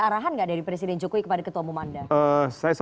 ada arahan gak dari presiden jokowi kepada ketua bumanda